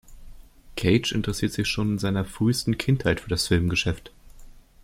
Cage interessierte sich schon in seiner frühesten Kindheit für das Filmgeschäft.